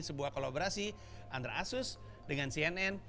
sebuah kolaborasi antara asus dengan cnn